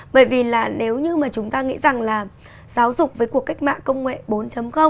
bởi vì là nếu như mà chúng ta nghĩ rằng là giáo dục với cuộc cách mạng công nghệ bốn